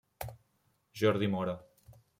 Jordi Mora.